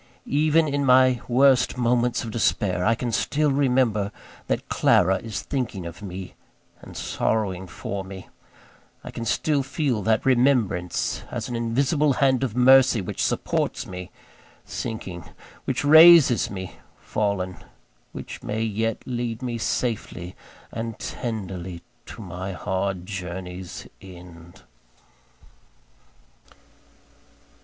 Even in my worst moments of despair, I can still remember that Clara is thinking of me and sorrowing for me: I can still feel that remembrance, as an invisible hand of mercy which supports me, sinking; which raises me, fallen; which may yet lead me safely and tenderly to my hard journey's end.